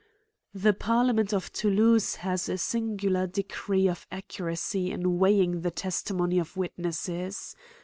The parliament 'of Thoulouse has a singular degree of accuracy in weighing the testimony of witnesses.